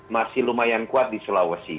masih lumayan kuat di sulawesi